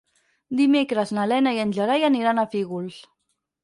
Dimecres na Lena i en Gerai aniran a Fígols.